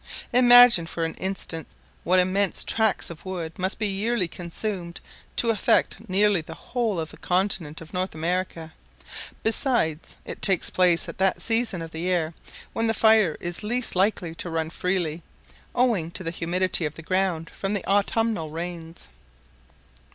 Imagine for an instant what immense tracts of woods must be yearly consumed to affect nearly the whole of the continent of North America: besides, it takes place at that season of the year when the fire is least likely to run freely, owing to the humidity of the ground from the autumnal rains.